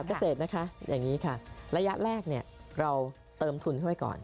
เกษตรนะคะอย่างนี้ค่ะระยะแรกเนี่ยเราเติมทุนเข้าไปก่อน